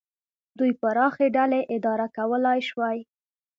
دوی پراخې ډلې اداره کولای شوای.